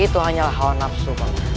itu hanyalah hawa nafsu